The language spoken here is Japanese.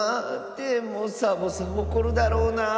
でもサボさんおこるだろうなあ。